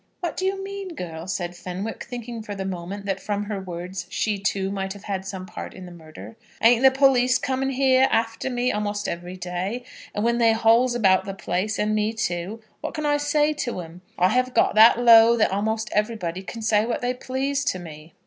"What do you mean, girl?" said Fenwick, thinking for the moment that from her words she, too, might have had some part in the murder. "Ain't the police coming here after me a'most every day? And when they hauls about the place, and me too, what can I say to 'em? I have got that low that a'most everybody can say what they please to me.